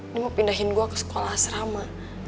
ini mau pindahin gue ke sekolah asrama